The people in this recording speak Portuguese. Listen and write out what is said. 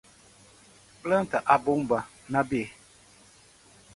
Planta a bomba na B